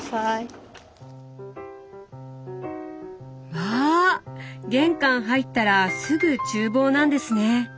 わ玄関入ったらすぐ厨房なんですね。